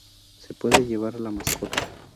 Se puede llevar la mascota.